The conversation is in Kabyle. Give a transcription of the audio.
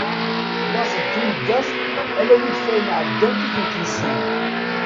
Laẓ d tineggaẓ, ala wid fayeg εeddant i tent-yessenen.